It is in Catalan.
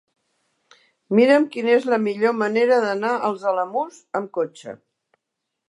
Mira'm quina és la millor manera d'anar als Alamús amb cotxe.